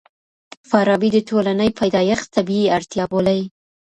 فارابي د ټولني پيدايښت طبيعي اړتيا بولي.